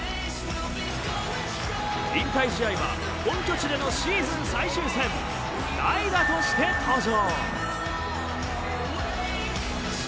引退試合は本拠地でのシーズン最終戦代打として登場。